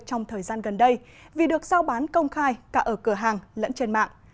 trong thời gian gần đây vì được giao bán công khai cả ở cửa hàng lẫn trên mạng